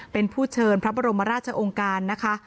เป็นผู้เชิญพระบรมราชองค์การนะคะ